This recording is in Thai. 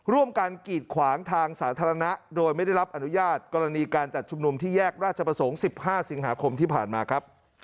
ร่วมกันกีดขวางทางสาธารณะโดยไม่ได้รับอนุญาตกรณีการจัดชุมนุมที่แยกราชประสงค์๑๕สิงหาคมที่ผ่านมาครับ